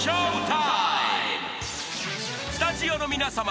［スタジオの皆さま。